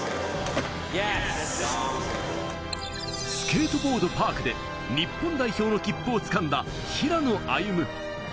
スケートボード・パークで日本代表の切符をつかんだ平野歩夢。